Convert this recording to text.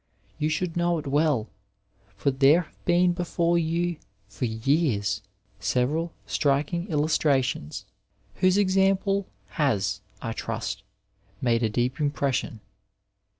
You should know it well, for there have been before you for years several striking illustrations, whose example has, I trust, made a deep impression.